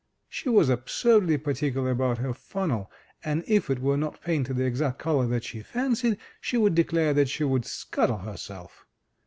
She was absurdly particular about her funnel, and if it were not painted the exact color that she fancied, she would declare that she would scuttle herself.